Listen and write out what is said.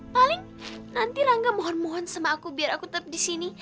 paling nanti rangga mohon mohon sama aku biar aku tetap di sini